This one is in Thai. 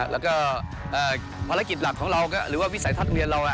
แล้วก็ภารกิจหลักของเราหรือว่าวิสัยทัศน์เวียนเรา